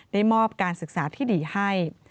ได้มอบการศึกษาที่ดีให้